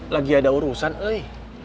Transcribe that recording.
lagi ada urusan eh